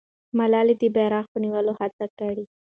ملالۍ د بیرغ په نیولو هڅه کړې.